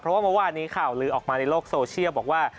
เพราะว่าเมื่อวานนี้ข่าวลือออกมาในโลกโซเชียลบอกว่า